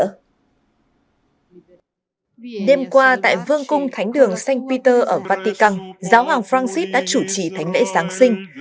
đêm qua tại vương cung thánh đường sanh peter ở vatican giáo hoàng francis đã chủ trì thánh lễ giáng sinh